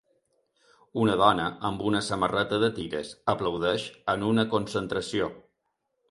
Una dona amb una samarreta de tires aplaudeix en una concentració.